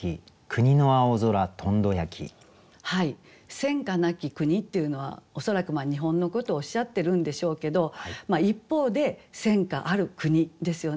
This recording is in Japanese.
「戦火なき国」っていうのは恐らく日本のことをおっしゃってるんでしょうけど一方で戦火ある国ですよね。